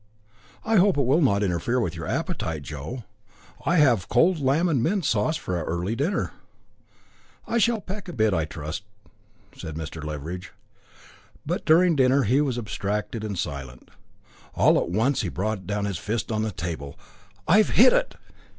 "I hope it will not interfere with your appetite, Joe. I have cold lamb and mint sauce for our early dinner." "I shall peck a bit, I trust," said Mr. Leveridge. But during dinner he was abstracted and silent. All at once he brought down his fist on the table. "I've hit it!"